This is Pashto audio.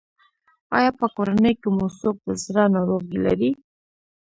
ایا په کورنۍ کې مو څوک د زړه ناروغي لري؟